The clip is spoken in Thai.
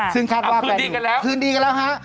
ซึ่งคาดว่าคืนดีกันแล้วคืนดีกันแล้วฮะ